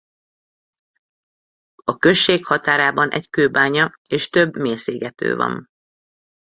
A község határában egy kőbánya és több mészégető van.